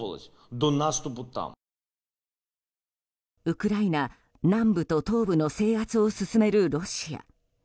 ウクライナ南部と東部の制圧を進めるロシア。